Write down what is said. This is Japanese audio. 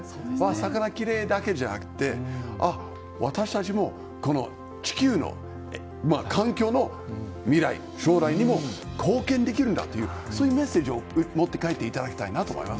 魚きれい！だけじゃなくてあ、私たちもこの地球の環境の未来、将来にも貢献できるんだというメッセージを持って帰っていただきたいなと思います。